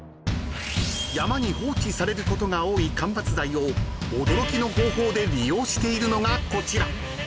［山に放置されることが多い間伐材を驚きの方法で利用しているのがこちら］